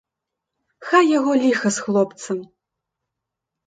Хай яго ліха з хлопцам!